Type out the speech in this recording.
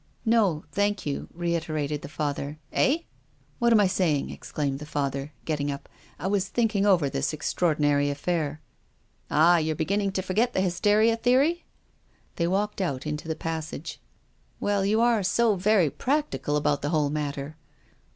" No, thank you," reiterated the Father. "Eh?" 3o8 TONGUES OF CONSCIENCE. "What am I saying?" exclaimed the Father, getting up. " I was thinking over this extraordi nary affair." " Ah, you're beginning to forget the hysteria theory? " They walked out into the passage. " Well, you are so very practical about the whole matter."